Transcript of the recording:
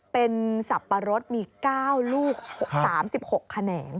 เป็นสับปะรดมี๙ลูก๓๖แขนง